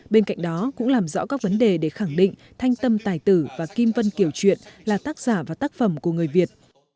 bên cạnh đó cũng làm rõ các vấn đề để khẳng định thanh tâm tài tử và kim vân kiều truyện là tác giả và tác phẩm của người việt